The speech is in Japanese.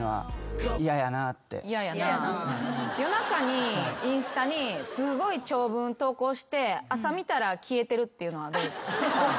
夜中にインスタにすごい長文投稿して朝見たら消えてるっていうのはどうですか？